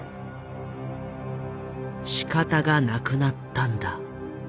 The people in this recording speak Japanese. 「仕方がなくなったんだ」。